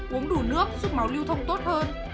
uống đủ nước giúp máu lưu thông tốt hơn